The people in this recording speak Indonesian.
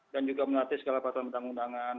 dan juga menelati segala peraturan bertanggung tangan